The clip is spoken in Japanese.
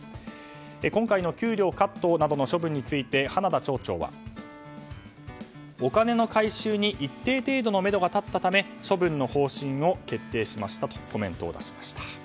今回の給料カットなどの処分について花田町長はお金の回収に一定程度のめどが立ったため処分の方針を決定しましたとコメントを出しました。